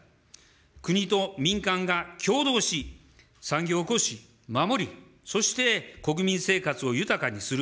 国と民間が共同し、産業を興し、守り、そして国民生活を豊かにする。